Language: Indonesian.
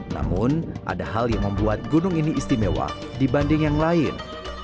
namun ada hal yang membuat gunung ini istimewa dibanding yang lain